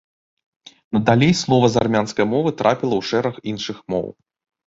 Надалей слова з армянскай мовы трапіла ў шэраг іншых моў.